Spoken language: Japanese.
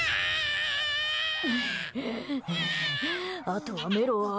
あとはメロを。